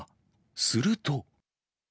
すると。